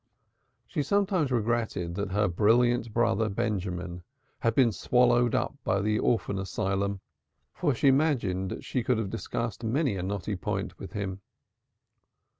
She sometimes regretted that her brilliant brother Benjamin had been swallowed up by the orphan asylum, for she imagined she could have discussed many a knotty point with him.